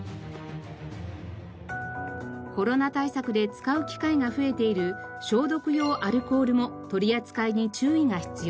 コロナ対策で使う機会が増えている消毒用アルコールも取り扱いに注意が必要です。